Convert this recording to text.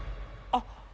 あっ！